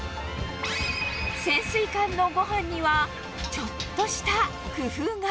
潜水艦のごはんには、ちょっとした工夫が。